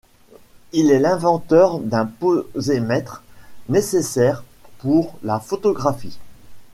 Il est l'inventeur d'un posemètre nécessaire pour la photographie.